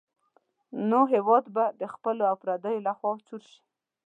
نو هېواد به د خپلو او پردیو لخوا چور شي.